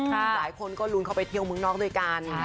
หลายคนก็ลุ้นเข้าไปเที่ยวเมืองนอกด้วยกัน